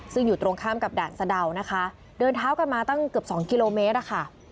ซึ่งอยู่ตรงข้ามกับด่านสะดาวนะคะเดินเท้ากันมาตั้งเกือบสองกิโลเมตรอะค่ะ